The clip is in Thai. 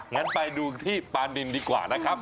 งั้นไปดูที่ปลานินดีกว่านะครับ